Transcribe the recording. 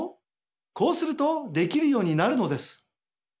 こうするとできるようになるのです。